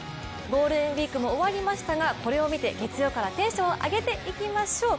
ゴールデンウイークも終わりましたが、これを見て月曜からテンションを上げていきましょう。